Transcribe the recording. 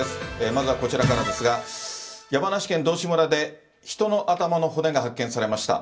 まずはこちらからですが、山梨県道志村で、人の頭の骨が発見されました。